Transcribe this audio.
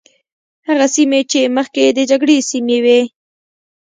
هغه سیمې چې مخکې د جګړې سیمې وي.